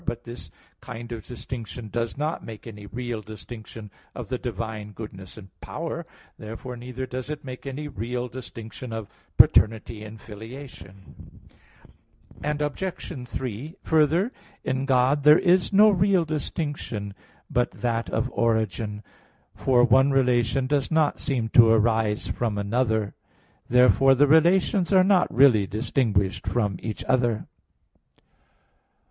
But this kind of distinction does not make any real distinction of the divine goodness and power. Therefore neither does it make any real distinction of paternity and filiation. Obj. 3: Further, in God there is no real distinction but that of origin. But one relation does not seem to arise from another. Therefore the relations are not really distinguished from each other.